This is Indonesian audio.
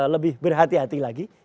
lebih berhati hati lagi